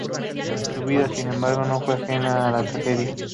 Su vida, sin embargo, no fue ajena a la tragedia.